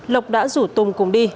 lộc đã rủ tùng cùng đi